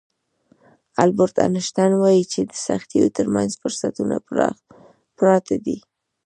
البرټ انشټاين وايي چې د سختیو ترمنځ فرصتونه پراته دي.